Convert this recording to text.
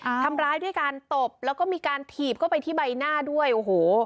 ทำร้ายด้วยการตบแล้วก็มีการถีบเข้าไปที่ใบหน้าด้วยโอ้โห